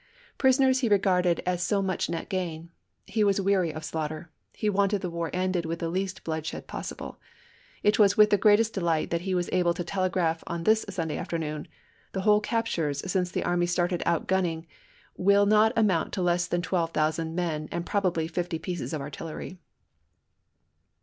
Prisoners he regarded as so much net gain : he was weary of slaughter; he wanted the war ended with the least bloodshed possible. It was with the greatest delight that he was able to tele graph on this Sunday afternoon, " The whole cap tures since the army started out gunning will not amount to less than twelve thousand men and probably fifty pieces of artillery."